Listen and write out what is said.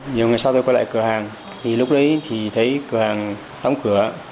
nhiều ngày sau tôi quay lại cửa hàng thì lúc đấy thì thấy cửa hàng đóng cửa